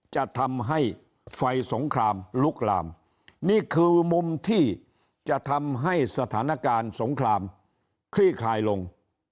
จะทำให้ไฟสงครามลุกลามนี่คือมุมที่จะทำให้สถานการณ์สงครามคลี่คลายลง